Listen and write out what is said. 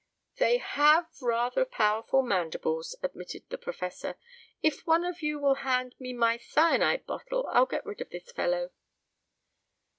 "They have rather powerful mandibles," admitted the professor. "If one of you will hand me my cyanide bottle I'll get rid of this fellow."